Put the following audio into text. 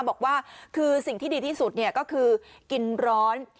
บอกว่าคือสิ่งที่ดีที่สุดก็คือกินร้อน